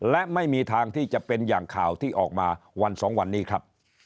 และไม่มีทางที่จะเป็นอย่างข่าวที่ออกมาวันสองวันนี้ครับ